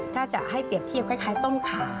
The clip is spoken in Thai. ถ้าจะให้เปรียบเทียบคล้ายต้นขา